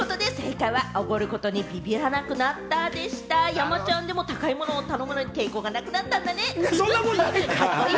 山ちゃんでも高いものを頼むのに抵抗がなくなったんだね、いいな。